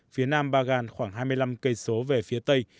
phía nam bagan khoảng hai mươi năm cây số về phía tây